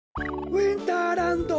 ウインターランド！